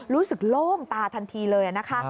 รู้สึกโล่งตาทันทีเลย